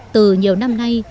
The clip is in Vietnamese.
từ nhiều năm nay